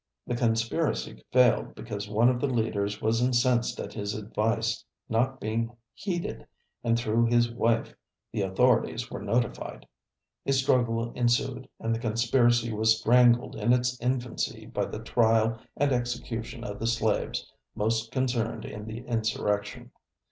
The conspiracy failed because one of the leaders was incensed at his advice not being heeded and through his wife the authorities were notified. A struggle ensued, and the conspiracy was strangled in its infancy by the trial and execution of the slaves most concerned in the insurrection.